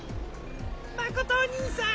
まことおにいさん！